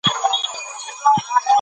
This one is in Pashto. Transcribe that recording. انا په وېره خپل لاسونه بېرته راکش کړل.